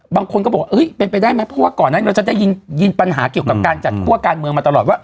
บางคนก็บอกว่าเป็นไปได้ไหมเพราะว่าก่อนนั้นเราจะได้ยินปัญหาเกี่ยวกับการจัดคั่วการเมืองมาตลอดว่า